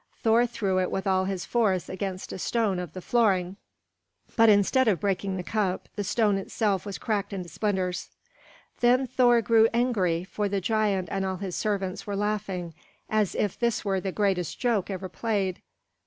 Thor threw it with all his force against a stone of the flooring; but instead of breaking the cup, the stone itself was cracked into splinters. Then Thor grew angry, for the giant and all his servants were laughing as if this were the greatest joke ever played.